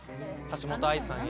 橋本愛さん